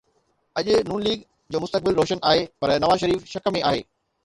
اڄ نون ليگ جو مستقبل روشن آهي پر نواز شريف شڪ ۾ آهي